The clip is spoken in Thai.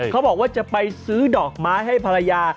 เขาบอกว่าจะไปซื้อดอกไม้ให้ภรรยา